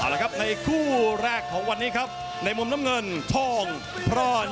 แล้วครับในคู่แรกของวันนี้ครับในมุมน้ำเงินทองพรอด